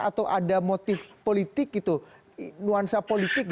atau ada motif politik gitu nuansa politik gitu bang ali